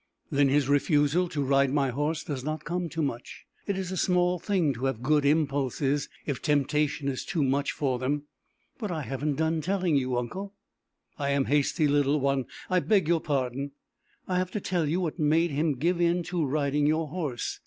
"Then his refusal to ride my horse does not come to much. It is a small thing to have good impulses, if temptation is too much for them." "But I haven't done telling you, uncle!" "I am hasty, little one. I beg your pardon." "I have to tell you what made him give in to riding your horse.